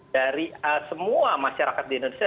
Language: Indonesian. dari semua masyarakat di indonesia